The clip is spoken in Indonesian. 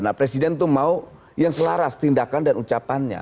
nah presiden itu mau yang selaras tindakan dan ucapannya